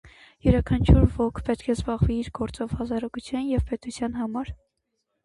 Յուրաքանչյուր ոք պետք է զբաղվի իր գործով (հասարակության և պետության համար)։